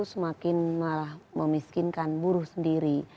semakin memiskinkan buruh sendiri